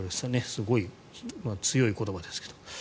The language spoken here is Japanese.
すごい強い言葉ですけど。